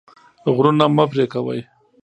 غرونه مه پرې کوئ.